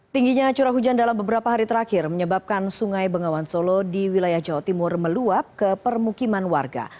tingginya curah hujan dalam beberapa hari terakhir menyebabkan sungai bengawan solo di wilayah jawa timur meluap ke permukiman warga